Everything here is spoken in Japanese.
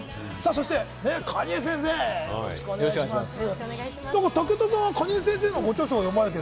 そして蟹江先生、よろしくお願いします。